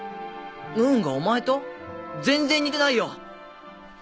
ムーンがお前と⁉全然似てないよ！